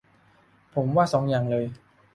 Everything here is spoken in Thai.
ผมว่าสองอย่างเลย